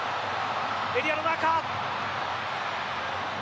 エリアの中。